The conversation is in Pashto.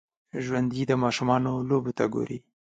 ژوندي د ماشومانو لوبو ته ګوري